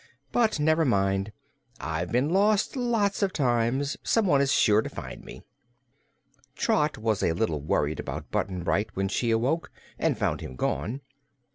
"But never mind; I've been lost lots of times. Someone is sure to find me." Trot was a little worried about Button Bright when she awoke and found him gone.